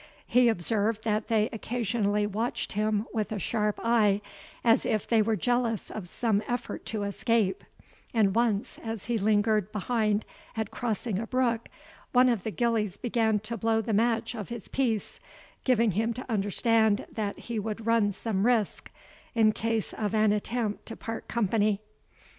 He observed that they occasionally watched him with a sharp eye, as if they were jealous of some effort to escape; and once, as he lingered behind at crossing a brook, one of the gillies began to blow the match of his piece, giving him to understand that he would run some risk in case of an attempt to part company.